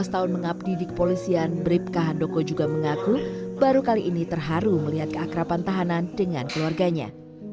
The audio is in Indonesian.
tujuh belas tahun mengabdidik polisian bripka handoko juga mengaku baru kali ini terharu melihat keakrapan tahanan dengan keluarganya